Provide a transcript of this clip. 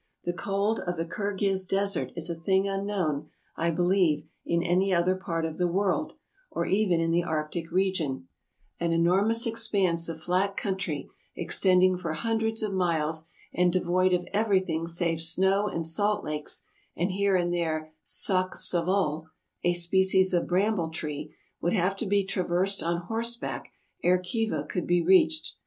The cold of the Kirghiz desert is a thing unknown, I believe, in any other part of the world, or even in the Arctic regions. An VOL. VI. — 20 291 292 TRAVELERS AND EXPLORERS enormous expanse of flat country, extending for hundreds of miles and devoid of everything save snow and salt lakes and here and there saksavol, a species of bramble tree, would have to be traversed on horseback ere Khiva could be reached.